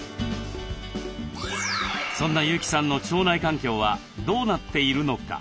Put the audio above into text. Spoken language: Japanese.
そんな優木さんの腸内環境はどうなっているのか？